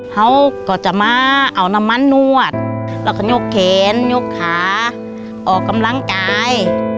เขาก็จะมาเอาน้ำมันนวดแล้วก็ยกแขนยกขาออกกำลังกาย